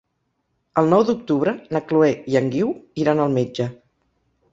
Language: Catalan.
El nou d'octubre na Chloé i en Guiu iran al metge.